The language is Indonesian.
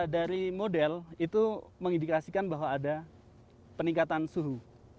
dari model itu mengindikasikan bahwa ada peningkatan suhu